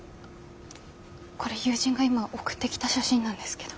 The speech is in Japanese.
これ友人が今送ってきた写真なんですけど。